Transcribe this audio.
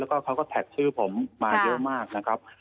แล้วก็เขาก็แท็กชื่อผมมาเยอะมากนะครับ